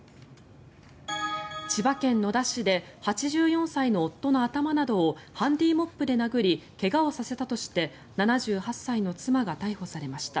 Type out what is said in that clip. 千葉県野田市で８４歳の夫の頭などをハンディーモップで殴り怪我をさせたとして７８歳の妻が逮捕されました。